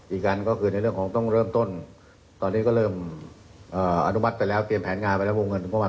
อีกอันก็คือต้องเริ่มต้นตอนนี้ก็เริ่มอนุมัติไปแล้วอ่าอัดมัติไปแล้วเตรียมการแผนงานไปแล้ววงเงินกว่า